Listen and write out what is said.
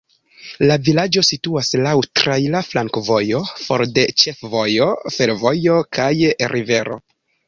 La vilaĝo situas laŭ traira flankovojo, for de ĉefvojo, fervojo kaj rivero.